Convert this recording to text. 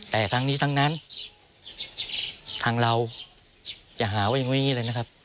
แต่ทั้งนี้ทั้งนั้นทางเราจะหาไว้อย่างนี้เลยนะครับ